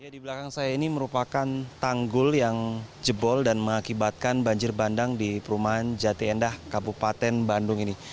di belakang saya ini merupakan tanggul yang jebol dan mengakibatkan banjir bandang di perumahan jati endah kabupaten bandung ini